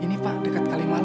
ini pak dekat kalimalam